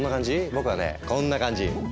僕はねこんな感じ。